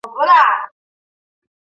这些国家有时统称英语圈。